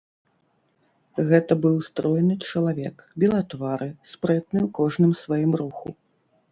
Гэта быў стройны чалавек, белатвары, спрытны ў кожным сваім руху.